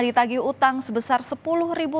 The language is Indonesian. ditagih utang sebesar sepuluh ribu